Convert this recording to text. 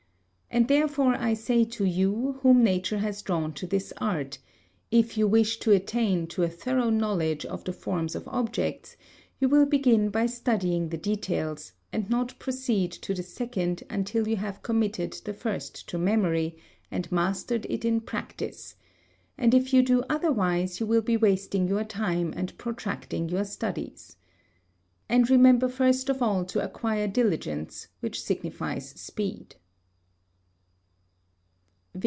And therefore I say to you whom nature has drawn to this art, if you wish to attain to a thorough knowledge of the forms of objects, you will begin by studying the details, and not proceed to the second until you have committed the first to memory and mastered it in practice, and if you do otherwise you will be wasting your time and protracting your studies. And remember first of all to acquire diligence, which signifies speed.